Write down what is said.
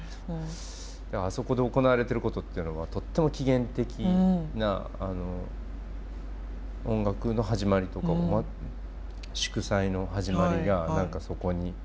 あそこで行われてることっていうのはとっても起源的な音楽の始まりとか祝祭の始まりが何かそこに。